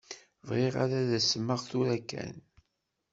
Bɣiɣ ad d-tasem tura kan.